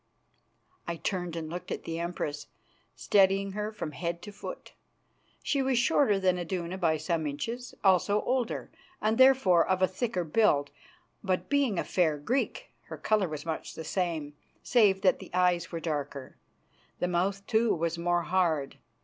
I turned and looked at the Empress, studying her from head to foot. She was shorter than Iduna by some inches, also older, and therefore of a thicker build; but, being a fair Greek, her colour was much the same, save that the eyes were darker. The mouth, too, was more hard.